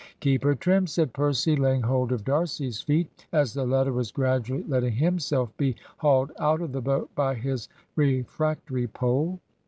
"Keep her trim," said Percy, laying hold of D'Arcy's feet, as the latter was gradually letting himself be hauled out of the boat by his refractory pole.